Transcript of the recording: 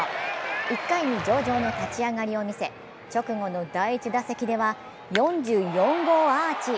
１回に上々の立ち上がりを見せ直後の第１打席では４４号アーチ。